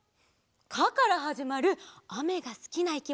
「か」からはじまるあめがすきないきものなんだ？